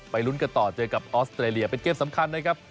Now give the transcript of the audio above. ลุ้นกันต่อเจอกับออสเตรเลียเป็นเกมสำคัญนะครับ